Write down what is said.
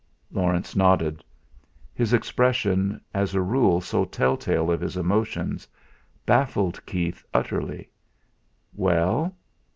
Laurence nodded. His expression, as a rule so tell tale of his emotions, baffled Keith utterly. "Well?"